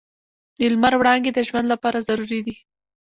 د لمر وړانګې د ژوند لپاره ضروري دي.